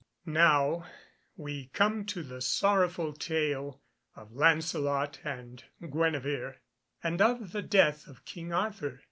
Now we come to the sorrowful tale of Lancelot and Guenevere, and of the death of King Arthur.